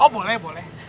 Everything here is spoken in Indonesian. oh boleh boleh